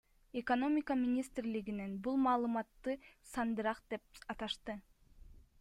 Экономика министрлигинен бул маалыматты сандырак деп аташты.